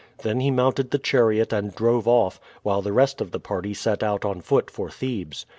Then he mounted the chariot and drove off, while the rest of the party set out on foot for Thebes.